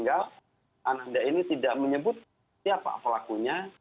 ananda ini tidak menyebut siapa pelakunya